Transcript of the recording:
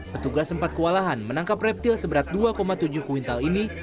petugas sempat kewalahan menangkap reptil seberat dua tujuh kuintal ini